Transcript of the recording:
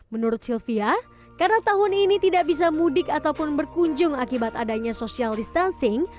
menurut sylvia karena tahun ini tidak bisa mudik ataupun berkunjung akibat adanya social distancing